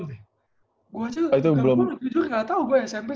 gue aja gue jujur gak tau gue smp setinggi apa